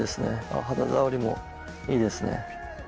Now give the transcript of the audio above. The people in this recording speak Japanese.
あぁ肌触りもいいですね。